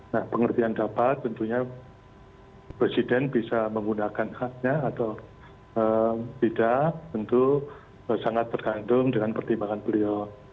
nah pengertian dapat tentunya presiden bisa menggunakan haknya atau tidak tentu sangat tergantung dengan pertimbangan beliau